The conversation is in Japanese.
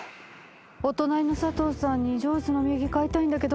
お隣のサトウさんにジョーズのお土産買いたいんだけど。